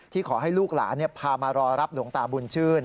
ขอให้ลูกหลานพามารอรับหลวงตาบุญชื่น